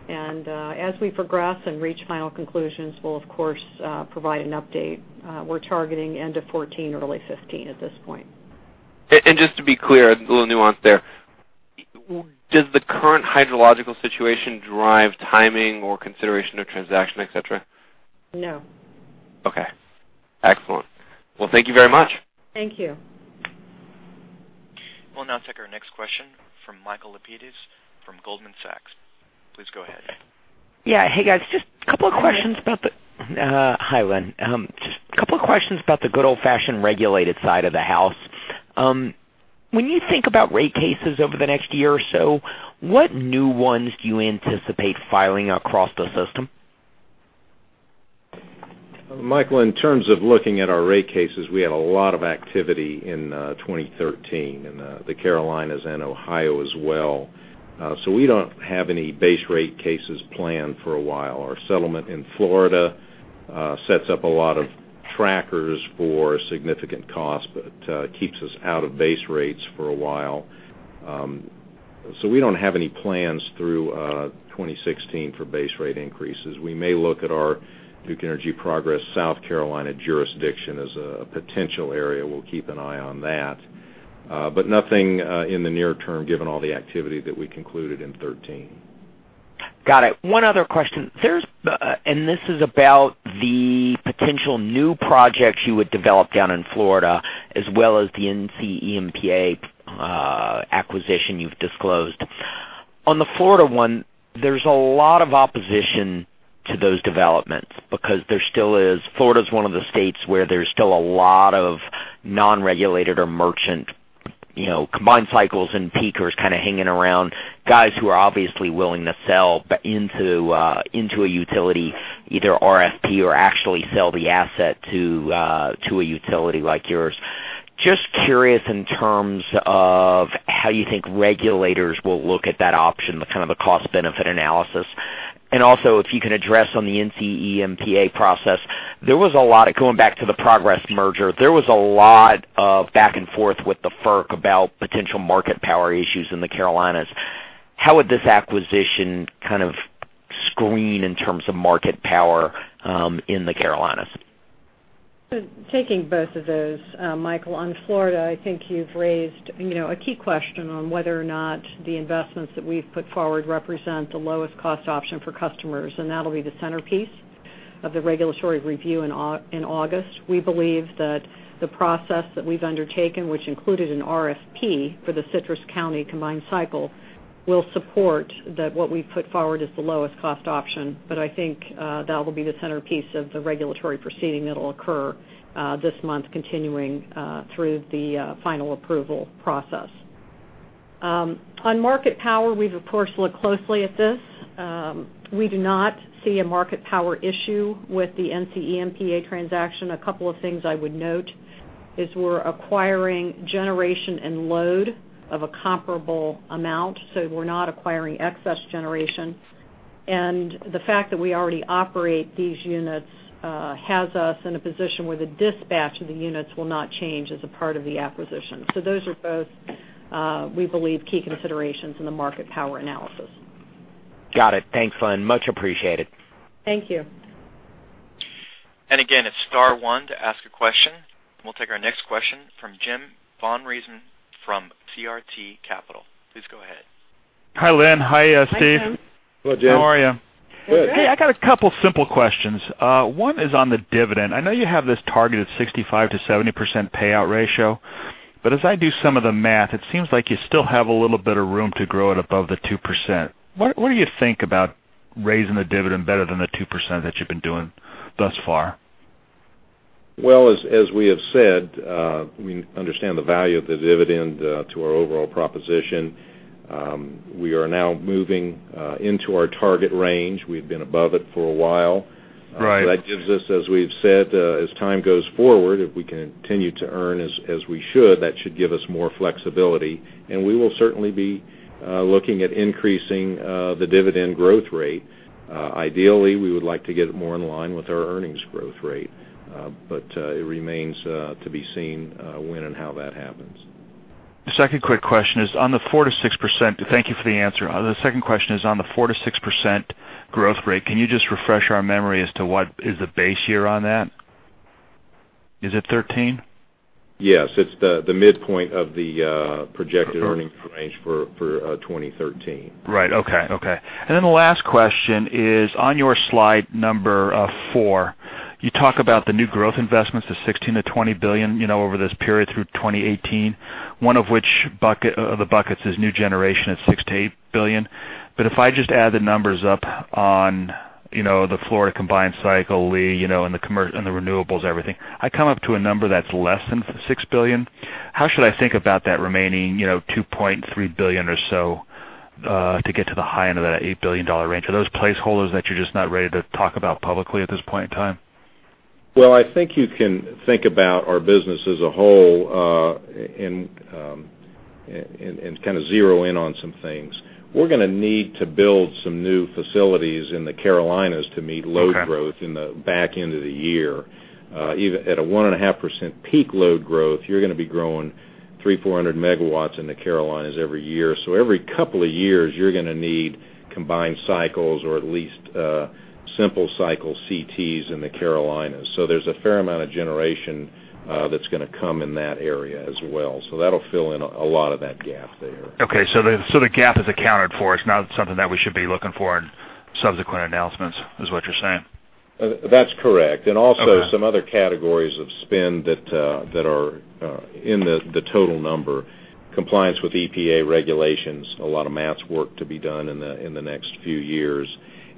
As we progress and reach final conclusions, we'll of course, provide an update. We're targeting end of 2014, early 2015 at this point. Just to be clear, a little nuance there, does the current hydrological situation drive timing or consideration of transaction, et cetera? No. Okay, excellent. Well, thank you very much. Thank you. We'll now take our next question from Michael Lapides from Goldman Sachs. Please go ahead. Yeah. Hey, guys. Hi, Lynn. Just a couple of questions about the good old-fashioned regulated side of the house. When you think about rate cases over the next year or so, what new ones do you anticipate filing across the system? Michael, in terms of looking at our rate cases, we had a lot of activity in 2013 in the Carolinas and Ohio as well. We don't have any base rate cases planned for a while. Our settlement in Florida sets up a lot of trackers for significant cost, but keeps us out of base rates for a while. We don't have any plans through 2016 for base rate increases. We may look at our Duke Energy Progress South Carolina jurisdiction as a potential area. We'll keep an eye on that. Nothing in the near term given all the activity that we concluded in 2013. Got it. One other question. This is about the potential new projects you would develop down in Florida as well as the NCEMPA acquisition you've disclosed. On the Florida one, there's a lot of opposition to those developments because Florida's one of the states where there's still a lot of non-regulated or merchant combined cycles and peakers kind of hanging around, guys who are obviously willing to sell into a utility, either RFP or actually sell the asset to a utility like yours. Just curious in terms of how you think regulators will look at that option, the kind of the cost-benefit analysis. Also if you can address on the NCEMPA process, going back to the Progress merger, there was a lot of back and forth with the FERC about potential market power issues in the Carolinas. How would this acquisition kind of screen in terms of market power in the Carolinas? Taking both of those, Michael, on Florida, I think you've raised a key question on whether or not the investments that we've put forward represent the lowest cost option for customers, and that'll be the centerpiece of the regulatory review in August. We believe that the process that we've undertaken, which included an RFP for the Citrus County combined cycle, will support that what we've put forward is the lowest cost option. I think that'll be the centerpiece of the regulatory proceeding that'll occur this month continuing through the final approval process. On market power, we've of course, looked closely at this. We do not see a market power issue with the NCEMPA transaction. A couple of things I would note is we're acquiring generation and load of a comparable amount, we're not acquiring excess generation. The fact that we already operate these units has us in a position where the dispatch of the units will not change as a part of the acquisition. Those are both, we believe, key considerations in the market power analysis. Got it. Thanks, Lynn. Much appreciated. Thank you. Again, it's star one to ask a question. We'll take our next question from Jim von Riesemann from CRT Capital. Please go ahead. Hi, Lynn. Hi, Steve. Hi, Jim. Hello, Jim. How are you? Good. Hey, I got a couple simple questions. One is on the dividend. I know you have this targeted 65%-70% payout ratio, but as I do some of the math, it seems like you still have a little bit of room to grow it above the 2%. What do you think about raising the dividend better than the 2% that you've been doing thus far? Well, as we have said, we understand the value of the dividend to our overall proposition. We are now moving into our target range. We've been above it for a while Right. That gives us, as we've said, as time goes forward, if we continue to earn as we should, that should give us more flexibility, and we will certainly be looking at increasing the dividend growth rate. Ideally, we would like to get it more in line with our earnings growth rate. It remains to be seen when and how that happens. The second quick question is on the 4%-6%-- thank you for the answer. The second question is on the 4%-6% growth rate, can you just refresh our memory as to what is the base year on that? Is it 2013? Yes. It's the midpoint of the projected earnings range for 2013. The last question is on your slide number four, you talk about the new growth investments of $16 billion-$20 billion over this period through 2018, one of which the buckets is new generation at $6 billion-$8 billion. If I just add the numbers up on the Florida combined cycle, and the renewables, everything, I come up to a number that's less than $6 billion. How should I think about that remaining $2.3 billion or so to get to the high end of that $8 billion range? Are those placeholders that you're just not ready to talk about publicly at this point in time? Well, I think you can think about our business as a whole and zero in on some things. We're going to need to build some new facilities in the Carolinas to meet load growth in the back end of the year. At a 1.5% peak load growth, you're going to be growing 300, 400 MW in the Carolinas every year. Every couple of years, you're going to need combined cycles or at least simple cycle CTs in the Carolinas. There's a fair amount of generation that's going to come in that area as well. That'll fill in a lot of that gap there. Okay. The gap is accounted for. It's not something that we should be looking for in subsequent announcements, is what you're saying? That's correct. Also some other categories of spend that are in the total number, compliance with EPA regulations, a lot of MATS work to be done in the next few years,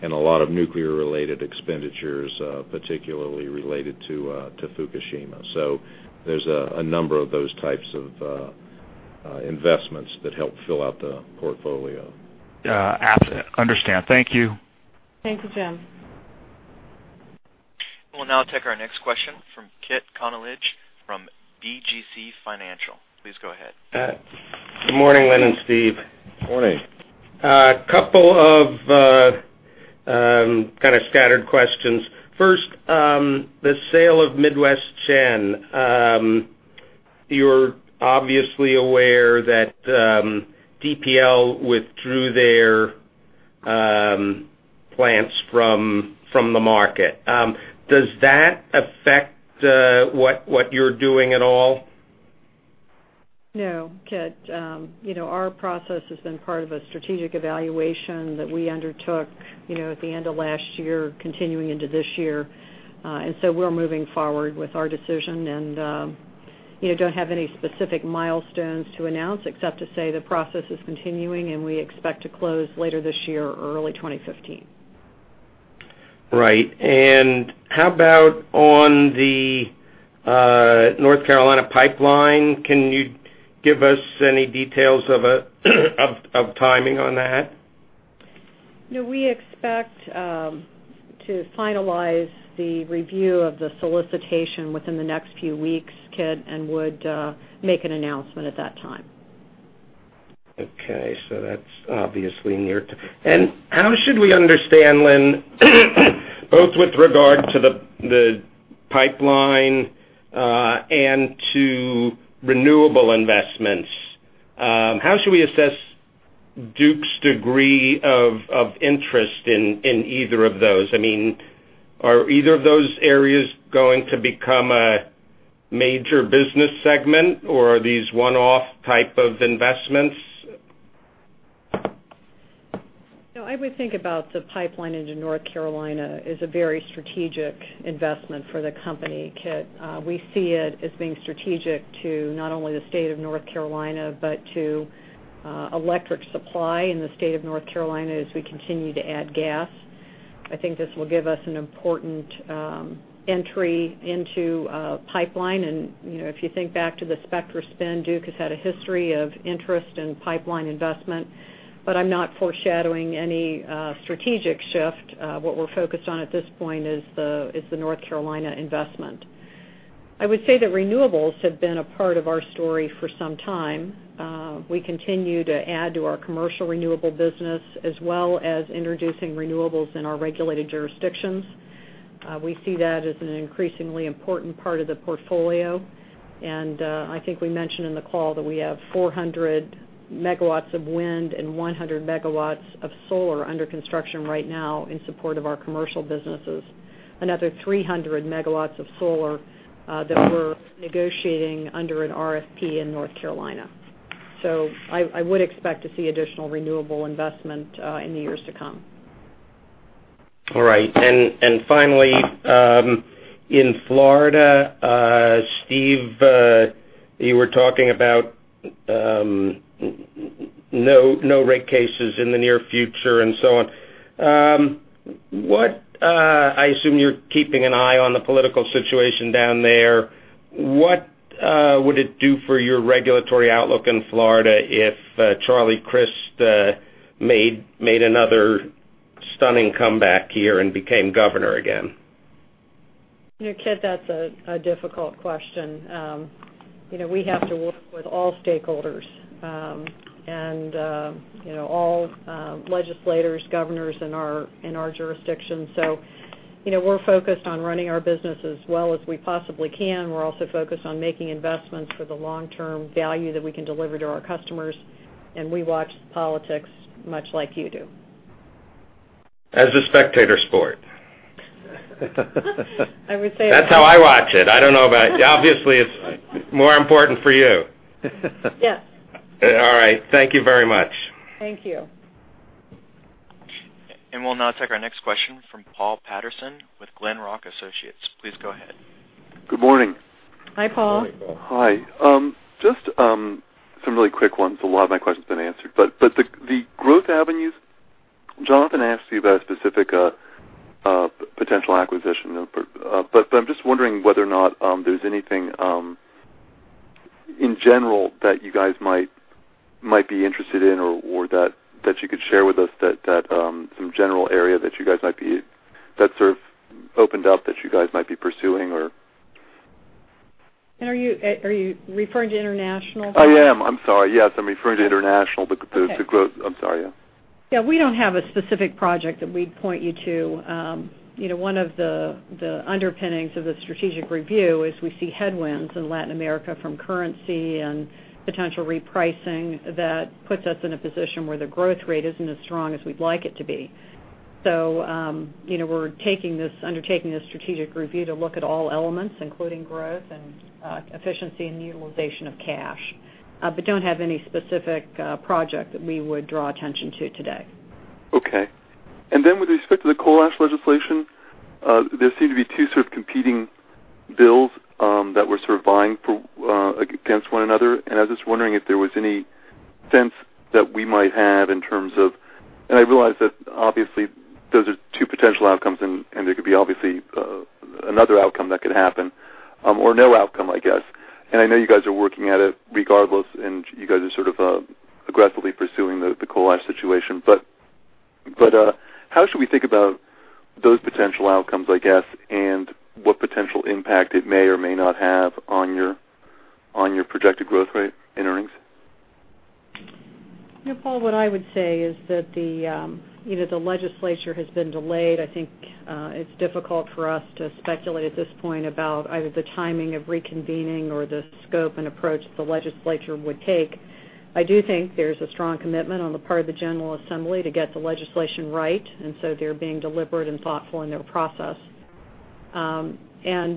and a lot of nuclear-related expenditures, particularly related to Fukushima. There's a number of those types of investments that help fill out the portfolio. Absolutely. Understand. Thank you. Thank you, Jim. We'll now take our next question from Kit Konolige from BGC Financial. Please go ahead. Good morning, Lynn and Steve. Morning. A couple of scattered questions. First, the sale of Midwest Generation. You're obviously aware that DPL withdrew their plants from the market. Does that affect what you're doing at all? No, Kit. Our process has been part of a strategic evaluation that we undertook at the end of last year, continuing into this year. We're moving forward with our decision and don't have any specific milestones to announce except to say the process is continuing, and we expect to close later this year or early 2015. Right. How about on the North Carolina pipeline? Can you give us any details of timing on that? We expect to finalize the review of the solicitation within the next few weeks, Kit, and would make an announcement at that time. Okay. That's obviously near. How should we understand, Lynn, both with regard to the pipeline and to renewable investments, how should we assess Duke's degree of interest in either of those? Are either of those areas going to become a major business segment, or are these one-off type of investments? I would think about the pipeline into North Carolina as a very strategic investment for the company, Kit. We see it as being strategic to not only the state of North Carolina, but to electric supply in the state of North Carolina as we continue to add gas. I think this will give us an important entry into pipeline. If you think back to the Spectra spin, Duke has had a history of interest in pipeline investment. I'm not foreshadowing any strategic shift. What we're focused on at this point is the North Carolina investment. I would say that renewables have been a part of our story for some time. We continue to add to our commercial renewable business, as well as introducing renewables in our regulated jurisdictions. We see that as an increasingly important part of the portfolio, and I think we mentioned in the call that we have 400 MW of wind and 100 MW of solar under construction right now in support of our commercial businesses, another 300 MW of solar that we're negotiating under an RFP in North Carolina. I would expect to see additional renewable investment in the years to come. All right. Finally, in Florida, Steve, you were talking about no rate cases in the near future and so on. I assume you're keeping an eye on the political situation down there What would it do for your regulatory outlook in Florida if Charlie Crist made another stunning comeback here and became governor again? Kit, that's a difficult question. We have to work with all stakeholders, and all legislators, governors in our jurisdiction. We're focused on running our business as well as we possibly can. We're also focused on making investments for the long-term value that we can deliver to our customers. We watch politics much like you do. As a spectator sport. I would say- That's how I watch it. I don't know about Obviously, it's more important for you. Yes. All right. Thank you very much. Thank you. We'll now take our next question from Paul Patterson with Glenrock Associates. Please go ahead. Good morning. Hi, Paul. Hi. Just some really quick ones. A lot of my question's been answered. The growth avenues, Jonathan asked you about a specific potential acquisition, I'm just wondering whether or not there's anything in general that you guys might be interested in or that you could share with us, some general area that sort of opened up that you guys might be pursuing or Are you referring to international? I am. I'm sorry. Yes, I'm referring to international. Okay. I'm sorry. Yeah. Yeah, we don't have a specific project that we'd point you to. One of the underpinnings of the strategic review is we see headwinds in Latin America from currency and potential repricing that puts us in a position where the growth rate isn't as strong as we'd like it to be. We're undertaking this strategic review to look at all elements, including growth and efficiency and utilization of cash. Don't have any specific project that we would draw attention to today. Okay. Then with respect to the coal ash legislation, there seem to be two sort of competing bills that were sort of vying against one another. I was just wondering if there was any sense that we might have. I realize that obviously those are two potential outcomes, and there could be obviously another outcome that could happen. No outcome, I guess. I know you guys are working at it regardless, and you guys are sort of aggressively pursuing the coal ash situation. How should we think about those potential outcomes, I guess, and what potential impact it may or may not have on your projected growth rate and earnings? Paul, what I would say is that the legislature has been delayed. I think it's difficult for us to speculate at this point about either the timing of reconvening or the scope and approach that the legislature would take. I do think there's a strong commitment on the part of the General Assembly to get the legislation right, so they're being deliberate and thoughtful in their process.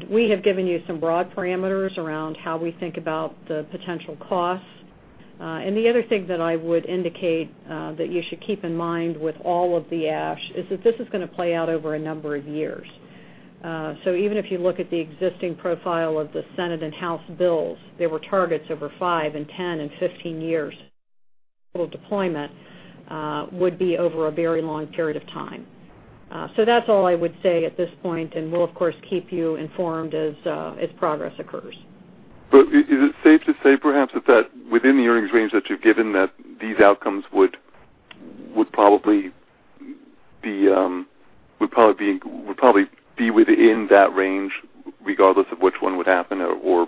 We have given you some broad parameters around how we think about the potential costs. The other thing that I would indicate that you should keep in mind with all of the ash is that this is going to play out over a number of years. Even if you look at the existing profile of the Senate and House bills, there were targets over five and 10 and 15 years. Total deployment would be over a very long period of time. That's all I would say at this point, and we'll of course, keep you informed as progress occurs. Is it safe to say perhaps that within the earnings range that you've given, that these outcomes would probably be within that range regardless of which one would happen, or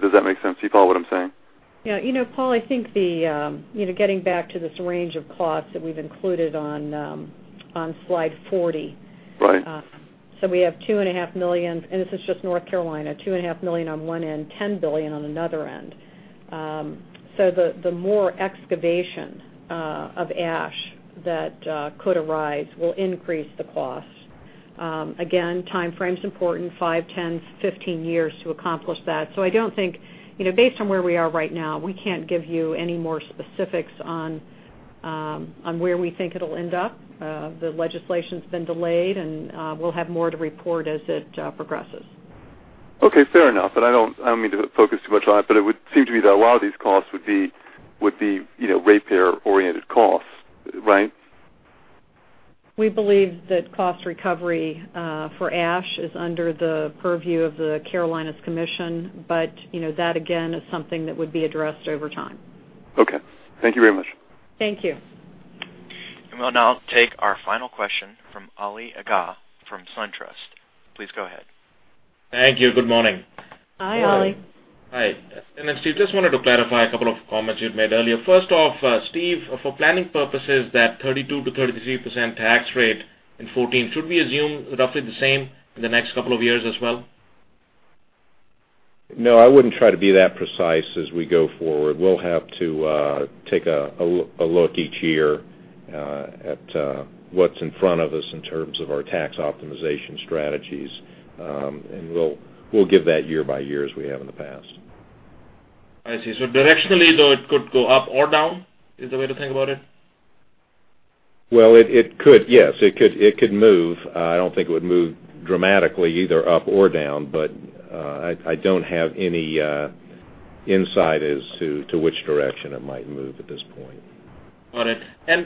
does that make sense to you, Paul, what I'm saying? Paul, I think getting back to this range of costs that we've included on slide 40. Right. We have $2.5 million, and this is just North Carolina, $2.5 million on one end, $10 billion on another end. The more excavation of ash that could arise will increase the cost. Again, time frame's important, five, 10, 15 years to accomplish that. I don't think, based on where we are right now, we can't give you any more specifics on where we think it'll end up. The legislation's been delayed, and we'll have more to report as it progresses. Okay, fair enough. I don't mean to focus too much on it, but it would seem to me that a lot of these costs would be rate payer-oriented costs, right? We believe that cost recovery for ash is under the purview of the Carolinas Commission, but that again, is something that would be addressed over time. Okay. Thank you very much. Thank you. We'll now take our final question from Ali Agha from SunTrust. Please go ahead. Thank you. Good morning. Hi, Ali. Hi. Steve, just wanted to clarify a couple of comments you'd made earlier. First off, Steve, for planning purposes, that 32%-33% tax rate in 2014, should we assume roughly the same in the next couple of years as well? No, I wouldn't try to be that precise as we go forward. We'll have to take a look each year at what's in front of us in terms of our tax optimization strategies. We'll give that year by year as we have in the past. I see. Directionally, though, it could go up or down, is the way to think about it? Well, it could, yes. It could move. I don't think it would move dramatically either up or down. I don't have any insight as to which direction it might move at this point. Got it.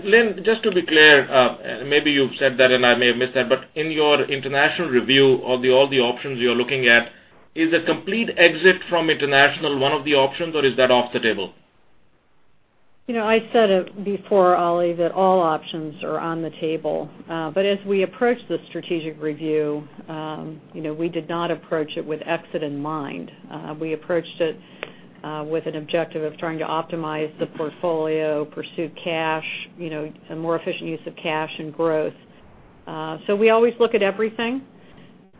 Lynn, just to be clear, maybe you've said that, and I may have missed that, but in your international review, all the options you're looking at, is a complete exit from international one of the options, or is that off the table? I said it before, Ali, that all options are on the table. As we approach the strategic review, we did not approach it with exit in mind. We approached it with an objective of trying to optimize the portfolio, pursue cash, a more efficient use of cash and growth. We always look at everything,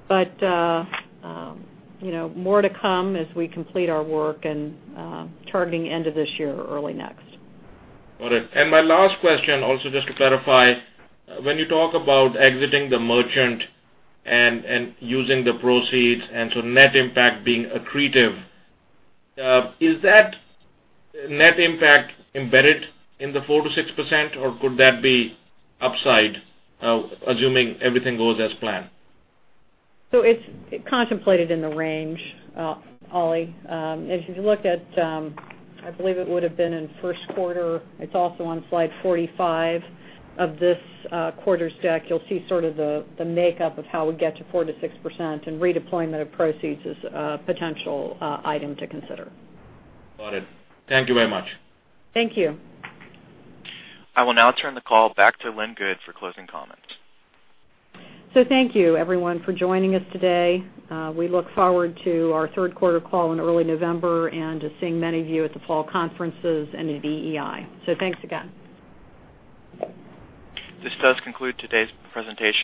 but more to come as we complete our work and targeting end of this year or early next. Got it. My last question, also, just to clarify, when you talk about exiting the merchant and using the proceeds, and so net impact being accretive, is that net impact embedded in the 4%-6%, or could that be upside, assuming everything goes as planned? It's contemplated in the range, Ali. If you look at, I believe it would've been in first quarter, it's also on slide 45 of this quarter's deck, you'll see sort of the makeup of how we get to 4%-6%, redeployment of proceeds is a potential item to consider. Got it. Thank you very much. Thank you. I will now turn the call back to Lynn for closing comments. Thank you everyone for joining us today. We look forward to our third quarter call in early November and to seeing many of you at the fall conferences and at EEI. Thanks again. This does conclude today's presentation